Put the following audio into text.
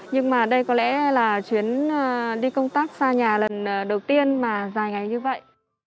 nhưng mà đây có lẽ là chuyến đi công tác xa nhà lần đầu tiên mà dài ngày như vậy